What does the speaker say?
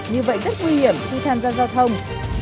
như vậy rất nguy hiểm khi tham gia giao thông